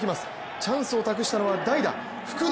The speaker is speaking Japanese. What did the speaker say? チャンスを託したのは代打・福留。